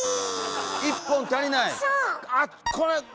１本足りない⁉そう！